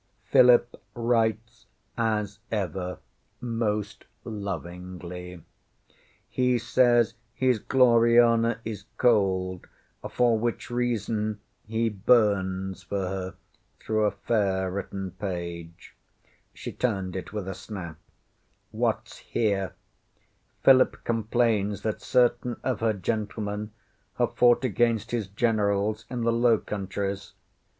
Philip writes as ever most lovingly. He says his Gloriana is cold, for which reason he burns for her through a fair written page. ŌĆÖ She turned it with a snap. ŌĆśWhatŌĆÖs here? Philip complains that certain of her gentlemen have fought against his generals in the Low Countries.